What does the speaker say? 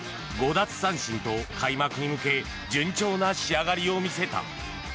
５奪三振と開幕に向け順調な仕上がりを見せた。